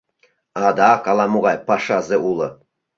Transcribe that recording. Адак ала-могай пашазе уло.